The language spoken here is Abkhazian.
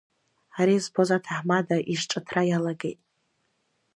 Ари збоз аҭаҳмада изҿыҭра иалагеит…